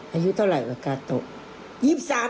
อายุเท่าไหร่วะกาโตะ